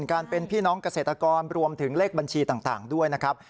การเป็นพี่น้องเกษตรกรรวมถึงเลขบัญชีต่างด้วยนะครับ